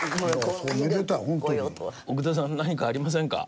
奥田さん何かありませんか？